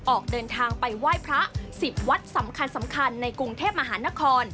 ออกเดินทางไปไหว้พระ๑๐วัดสำคัญในกรุงเทพมหานคร